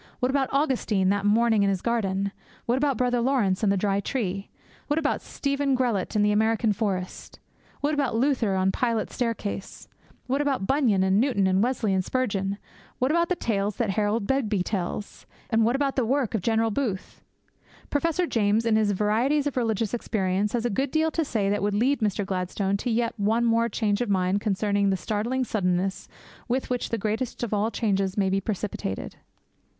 What about Augustine that morning in his garden? What about Brother Laurence and the dry tree? What about Stephen Grellet in the American forest? What about Luther on Pilate's staircase? What about Bunyan and Newton, Wesley and Spurgeon? What about the tales that Harold Begbie tells? And what about the work of General Booth? Professor James, in his Varieties of Religious Experience, has a good deal to say that would lead Mr. Gladstone to yet one more change of mind concerning the startling suddenness with which the greatest of all changes may be precipitated.